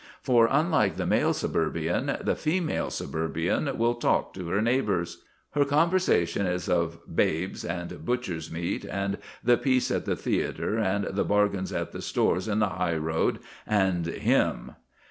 For, unlike the male suburbian, the female suburbian will talk to her neighbours. Her conversation is of babes, and butchers' meat, and the piece at the theatre, and the bargains at the stores in the High Road, and "him."